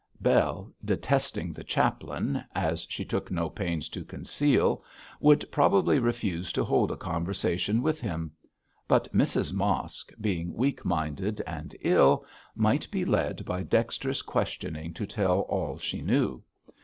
Bell, detesting the chaplain, as she took no pains to conceal, would probably refuse to hold a conversation with him; but Mrs Mosk, being weak minded and ill, might be led by dexterous questioning to tell all she knew.